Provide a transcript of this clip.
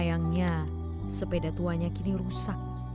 sayangnya sepeda tuanya kini rusak